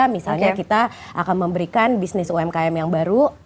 misalnya kita akan memberikan bisnis umkm yang baru